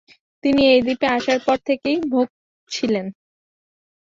তিনি এই দ্বীপে আসার পর থেকেই ভোগ ছিলেন।